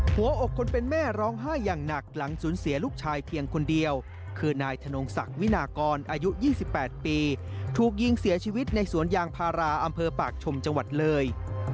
หัวอกคนเป็นแม่ร้องไห้อย่างหนักหลังสูญเสียลูกชายเพียงคนเดียวคือนายธนงศักดิ์วินากรอายุ๒๘ปีถูกยิงเสียชีวิตในสวนยางพาราอำเภอปากชมจังหวัดเลย